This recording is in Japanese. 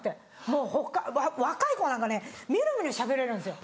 もう若い子なんかね見る見るしゃべれるんですよ。